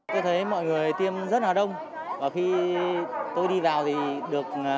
tôi thấy mọi người tiêm rất là đông và khi tôi đi vào thì được